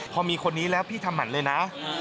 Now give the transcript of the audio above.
พอมีคนนี้แล้วพี่ทำหมันเลยนะ